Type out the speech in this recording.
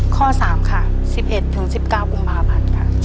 ข้อสามค่ะสิบเอ็ดถึงสิบเก้ากุมภาพันธ์ค่ะ